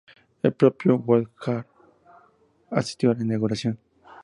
El propio Woodward asistió a la inauguración.